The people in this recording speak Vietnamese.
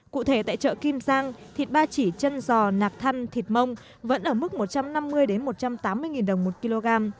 cụ thể tại chợ kim giang thịt ba chỉ chân giò nạc thăn thịt mông vẫn ở mức một trăm năm mươi một trăm tám mươi đồng một kg